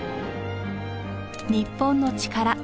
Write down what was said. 『日本のチカラ』